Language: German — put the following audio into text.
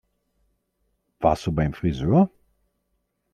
Warst du beim Friseur?